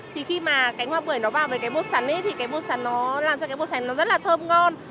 thì khi mà cánh hoa bưởi nó vào với cái bút sắn ấy thì cái bột sắn nó làm cho cái bột sắn nó rất là thơm ngon